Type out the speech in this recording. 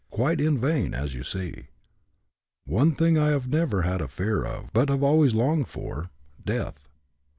Quite in vain, as you see. One thing I have never had a fear of, but have always longed for Death.